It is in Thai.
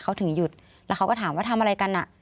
เขาถึงหยุดแล้วเขาก็ถามว่าทำอะไรกันอ่ะ